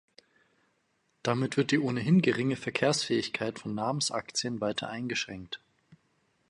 Damit wird die ohnehin geringe Verkehrsfähigkeit von Namensaktien weiter eingeschränkt.